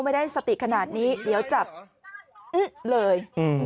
ไม่ได้สติขนาดนี้เดี๋ยวจับเลย